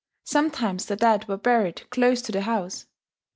Sometimes the dead were buried close to the house.